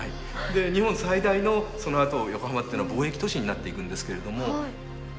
で日本最大のそのあと横浜っていうのは貿易都市になっていくんですけれども。